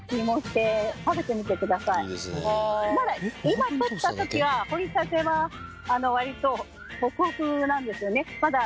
今とった時は掘りたては割とホクホクなんですよね。